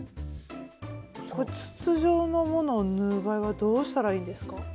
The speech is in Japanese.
これ筒状のものを縫う場合はどうしたらいいんですか？